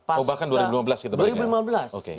oh bahkan dua ribu lima belas kita belikan